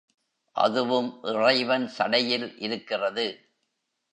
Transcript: அதுவும் இறைவன் சடையில் இருக்கிறது.